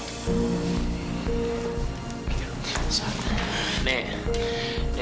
nenek jangan kayak begini nenek